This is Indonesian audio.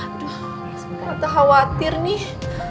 aduh aku khawatir nih